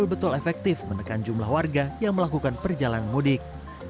betul betul efektif menekan jumlah warga yang melakukan perjalanan mudik